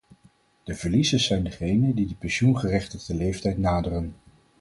De verliezers zijn degenen die de pensioengerechtigde leeftijd naderen.